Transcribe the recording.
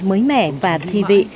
mới mẻ và thi vị